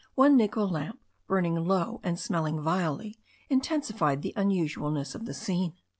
One nickel lamp, burning low and smelling vilely, intensified the un usualness of the scene.